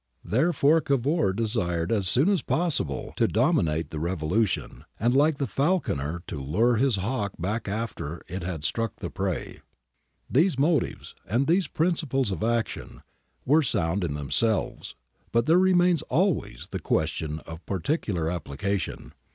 Therefore Cavour desired as soon as possible to dominate the revolution, and like the ' Persano, 36 48, 53. CAVOUR'S MISCALCULATION 53 falconer to lure his hawk back after it had struck the prey. These motives, and these principles of action, were sound in themselves, but there remains always the question of particular application.